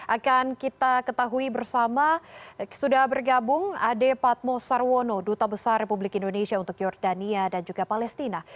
akan kita ketahui bersama sudah bergabung ade patmo sarwono duta besar republik indonesia untuk jordania dan juga palestina